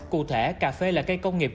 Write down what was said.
cụ thể cà phê là cây công nghiệp